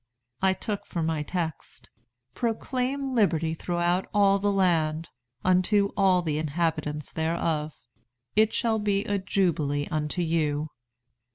I took for my text, 'Proclaim liberty throughout all the land, unto all the inhabitants thereof. It shall be a jubilee unto you.'